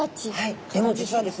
でも実はですね